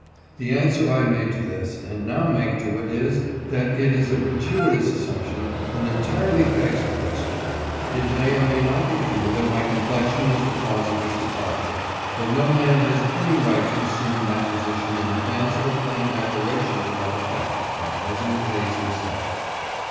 The answer I made to this, and now make to it, is, that it is a gratuitous assumption and entirely begs the question. It may or may not be true that my complexion was the cause of this departure, but no man has any right to assume that position in advance of a plain declaration to that effect by President Hayes him self.